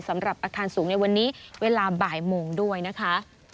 สำหรับอาคารสูงในวันนี้เวลาบ่ายโมงด้วยนะคะ